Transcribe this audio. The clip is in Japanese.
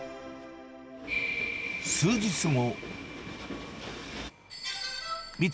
数日後。